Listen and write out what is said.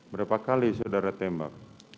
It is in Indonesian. berapa kali saudara tembak